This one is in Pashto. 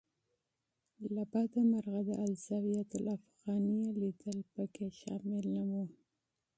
له بده مرغه د الزاویة الافغانیه لیدل په کې شامل نه و.